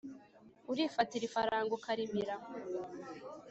urifatira ifaranga ukarimira